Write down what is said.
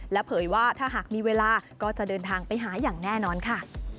เผยว่าถ้าหากมีเวลาก็จะเดินทางไปหาอย่างแน่นอนค่ะ